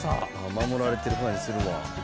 守られてる感じするわ。